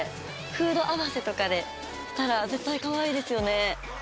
フード合わせとかで着たら絶対かわいいですよね。